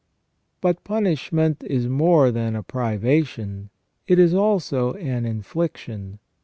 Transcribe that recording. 245 But punishment is more than a privation, it is also an infliction.